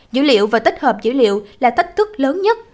dữ liệu và tích hợp dữ liệu là thách thức lớn nhất